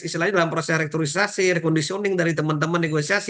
istilahnya dalam proses rektorisasi reconditioning dari teman teman negosiasi